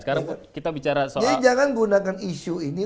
jadi jangan gunakan isu ini